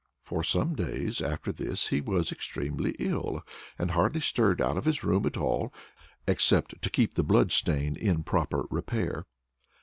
For some days after this he was extremely ill, and hardly stirred out of his room at all, except to keep the blood stain in proper repair.